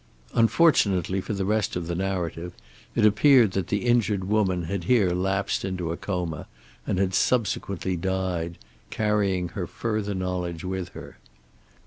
Unfortunately for the rest of the narrative it appeared that the injured woman had here lapsed into a coma, and had subsequently died, carrying her further knowledge with her.